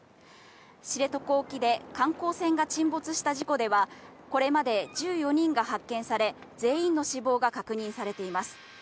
知床沖で観光船が沈没した事故では、これまで１４人が発見され、全員の死亡が確認されています。